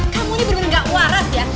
kamu ini bener bener gak waras ya